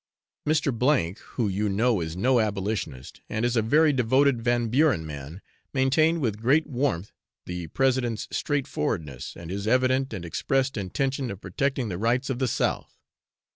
Mr. , who you know is no abolitionist, and is a very devoted Van Buren man, maintained with great warmth the President's straight forwardness, and his evident and expressed intention of protecting the rights of the South.